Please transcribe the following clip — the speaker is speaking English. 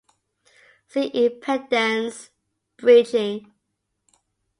See Impedance bridging.